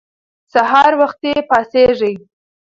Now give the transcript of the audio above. سهار وختي پاڅیږئ.